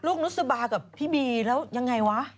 นุษบากับพี่บีแล้วยังไงวะ